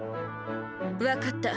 分かった。